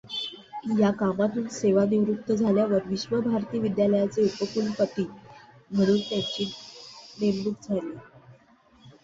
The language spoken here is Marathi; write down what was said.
या कामातून सेवानिवृत्त झाल्यावर विश्व भारती विद्याल्याचे उपकुलपति म्हणून त्यांची नेमणूक झाली.